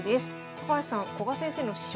高橋さん古賀先生の師匠